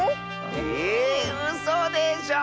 ええうそでしょ